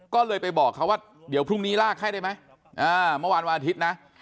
ก็เลยไปบอกเขาว่าเดี๋ยวพรุ่งนี้ลากให้ได้ไหมเมื่อวานวันอาทิตย์นะ